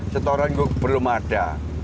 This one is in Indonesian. setoran belum ada